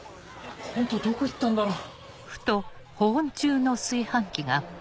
ホントどこ行ったんだろう。